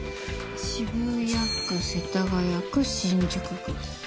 渋谷区世田谷区新宿区。